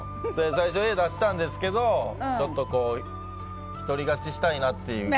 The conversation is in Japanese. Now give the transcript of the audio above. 最初Ａ出したんですけど独り勝ちしたいなっていう。